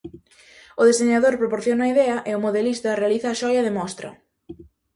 O deseñador proporciona a idea e o modelista realiza a xoia de mostra.